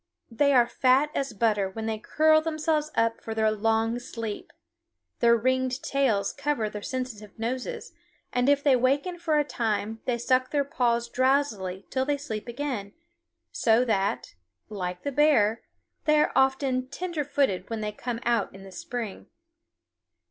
They are fat as butter when they curl themselves up for their long sleep; their ringed tails cover their sensitive noses, and if they waken for a time they suck their paws drowsily till they sleep again, so that, like the bear, they are often tender footed when they come out in the spring.